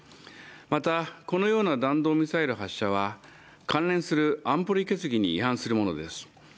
またこのような弾道ミサイル発射は関連する安保理決議に違反するものです。